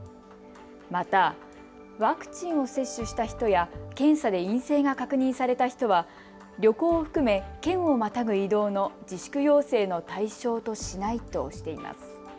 また、ワクチンを接種した人や検査で陰性が確認された人は旅行を含め県をまたぐ移動の自粛要請の対象としないとしています。